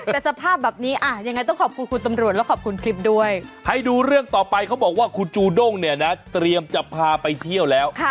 แต่สภาพแบบนี้ยังไงต้องขอบคุณคุณตำรวจแล้วขอบคุณคลิปด้วยให้ดูเรื่องต่อไปเขาบอกว่าคุณจูด้งเนี่ยนะเตรียมจะพาไปเที่ยวแล้ว